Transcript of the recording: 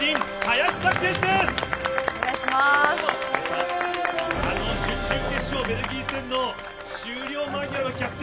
あの準々決勝、ベルギー戦の終了間際の逆転